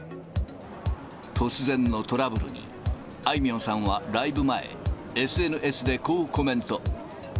突然のトラブルに、あいみょんさんはライブ前、ＳＮＳでこうコメント。